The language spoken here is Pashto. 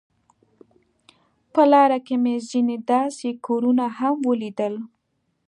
په لار کې مې ځینې داسې کورونه هم ولیدل.